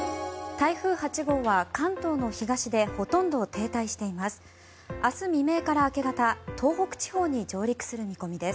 台風８号は関東の東でほとんど停滞しています。